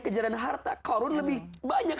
kejaran harta karun lebih banyak